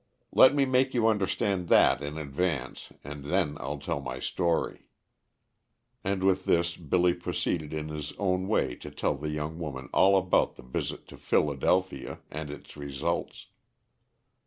Let me make you understand that in advance, and then I'll tell my story." And with this Billy proceeded in his own way to tell the young woman all about the visit to Philadelphia and its results.